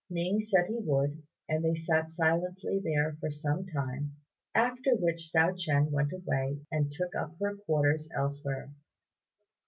Ning said he would, and they sat silently there for some time, after which Hsiao ch'ien went away and took up her quarters elsewhere.